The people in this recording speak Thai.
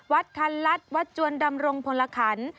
คันลัดวัดจวนดำรงพลขัน